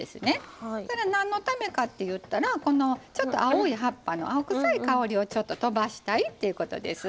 なんのためかっていったらちょっと青い葉っぱの青臭い香りをとばしたいっていうことです。